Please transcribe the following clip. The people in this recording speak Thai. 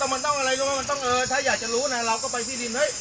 มันอยากจะรู้นะเราก็ไปที่ดิน